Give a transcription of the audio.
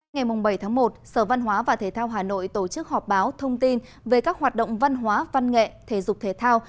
ngày bảy tháng một sở văn hóa và thể thao hà nội tổ chức họp báo thông tin về các hoạt động văn hóa văn nghệ thể dục thể thao